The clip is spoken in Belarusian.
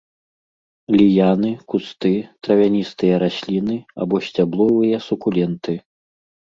Ліяны, кусты, травяністыя расліны або сцябловыя сукуленты.